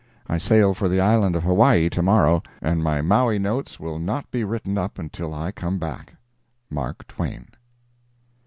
I sail for the island of Hawaii tomorrow, and my Maui notes will not be written up until I come back. MARK TWAIN.